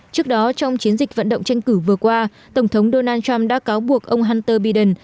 trước đó trong chiến dịch vận động tranh cử vừa qua tổng thống donald trump đã cáo buộc ông hunter biden